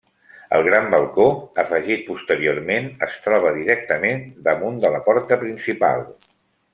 El gran balcó, afegit posteriorment, es troba directament damunt de la porta principal.